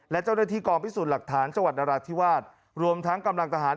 และเจ้าหน้าที่กองพิสูจน์หลักฐานจังหวัดนราธิวาสรวมทั้งกำลังทหาร